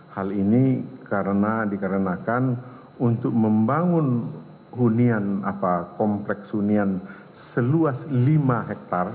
hal ini karena dikarenakan untuk membangun hunian kompleks hunian seluas lima hektare